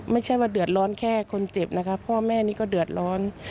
ไม่ใช่ว่าเดือดร้อนแค่คนเจ็บนะคะพ่อแม่นี่ก็เดือดร้อน